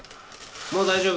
もう大丈夫。